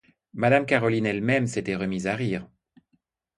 Madame Caroline elle-même s'était remise à rire.